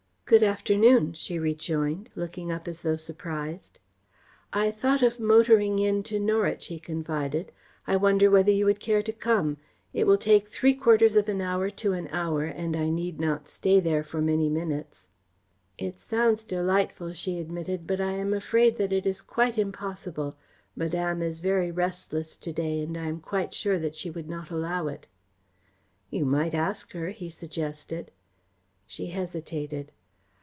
"Good afternoon," she rejoined, looking up as though surprised. "I thought of motoring in to Norwich," he confided. "I wonder whether you would care to come? It will take three quarters of an hour to an hour and I need not stay there for many minutes." "It sounds delightful," she admitted, "but I am afraid that it is quite impossible. Madame is very restless to day and I am quite sure that she would not allow it." "You might ask her," he suggested. She hesitated.